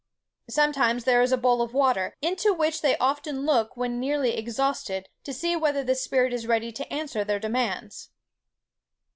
Sometimes there is a bowl of water, into which they often look when nearly exhausted, to see whether the spirit is ready to answer their demands."